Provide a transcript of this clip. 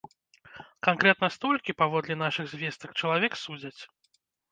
Канкрэтна столькі, паводле нашых звестак, чалавек судзяць.